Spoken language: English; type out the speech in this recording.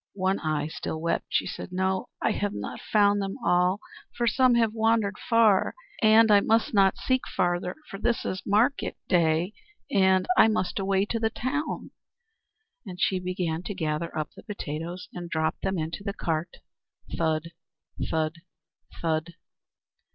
One Eye still wept. She said, "No, I have not found all of them, for some have wandered far. And I must not seek farther, for this is market day, and I must away to the town." And she began to gather up the potatoes, and drop them into the cart, thud, thud, thud.